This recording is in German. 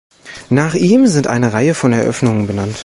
Nach ihm sind eine Reihe von Eröffnungen benannt.